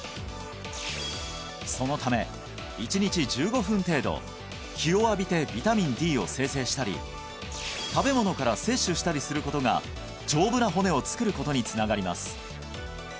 そのため１日１５分程度日を浴びてビタミンＤを生成したり食べ物から摂取したりすることが丈夫な骨を作ることにつながります